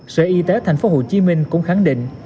sở y tế tp hcm cũng khẳng định